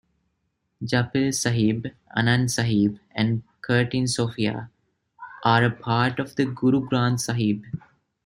Japji Sahib, Anand Sahib, and Kirtan Sohila are a part of Guru Granth Sahib.